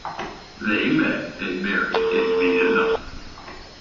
They met and married in Vietnam.